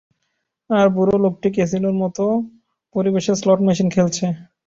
আর বুড়ো লোকটি ক্যাসিনোর মত পরিবেশে স্লট মেশিন খেলছে।